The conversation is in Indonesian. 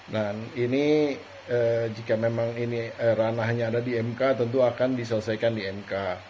nah ini jika memang ini ranahnya ada di mk tentu akan diselesaikan di mk